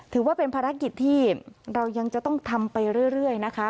ถือว่าเป็นภารกิจที่เรายังจะต้องทำไปเรื่อยนะคะ